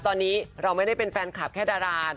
ตอนนี้เราไม่ได้เป็นแฟนคลับแค่ดารา